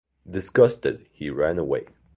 Disgusted, he ran away.